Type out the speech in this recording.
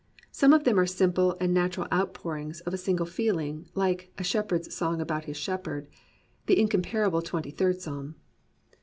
Some of them are simple and natural outpourings of a single feeling, like A Shepherd^s Song about His Shepherd, the incomparable Twenty third Psalm.